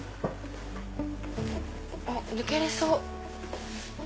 あっ抜けれそう。